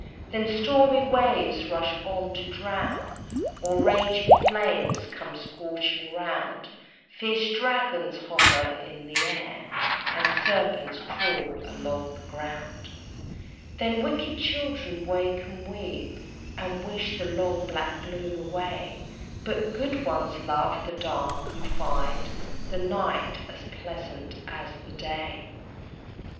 Then stormy waves rush on to drown, Or raging flames come scorching round, Fierce dragons hover in the air, And serpents crawl along the ground. Then wicked children wake and weep, And wish the long black gloom away; But good ones love the dark, and find The night as pleasant as the day.